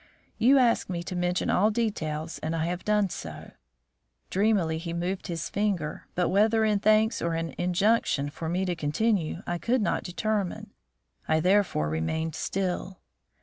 You ask me to mention all details and I have done so." Dreamily he moved his finger, but whether in thanks or in an injunction for me to continue, I could not determine. I therefore remained still.